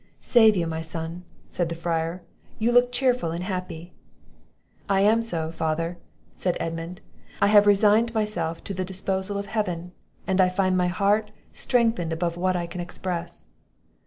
"Save you, my son!" said the friar; "you look cheerful and happy." "I am so, father," said Edmund; "I have resigned myself to the disposal of Heaven, and I find my heart strengthened above what I can express."